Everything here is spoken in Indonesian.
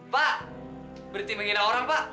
pak berarti menghina orang pak